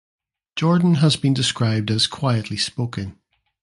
Jordan has been described as "quietly spoken".